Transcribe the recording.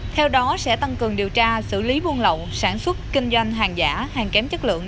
theo đó sẽ tăng cường điều tra xử lý buôn lậu sản xuất kinh doanh hàng giả hàng kém chất lượng